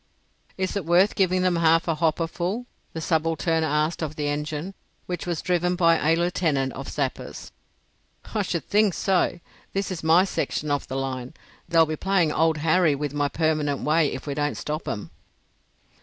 "Is it worth giving them half a hopper full?" the subaltern asked of the engine, which was driven by a Lieutenant of Sappers. "I should think so! This is my section of the line. They'll be playing old Harry with my permanent way if we don't stop 'em."